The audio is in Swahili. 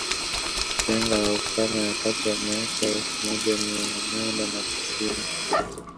Janga la ukame wakati wa miaka ya elfu moja mia nane na tisini